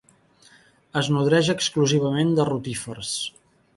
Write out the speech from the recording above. Es nodreix exclusivament de rotífers.